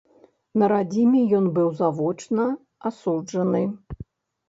На радзіме ён быў завочна асуджаны.